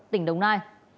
tỉnh đồng nai